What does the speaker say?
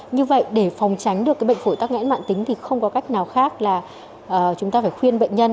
như vậy để phòng tránh được bệnh phổi tắc nghẽn mạng tính thì không có cách nào khác là chúng ta phải khuyên bệnh nhân